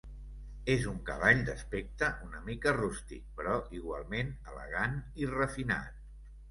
És un cavall d'aspecte una mica rústic, però igualment elegant i refinat.